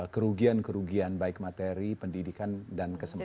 kerugian kerugian baik materi pendidikan dan kesempatan